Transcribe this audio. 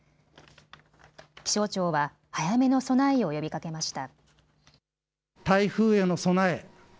気象庁は早めの備えを呼びかけました。